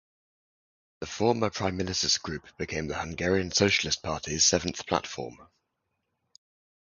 The former Prime Minister's group became the Hungarian Socialist party's seventh platform.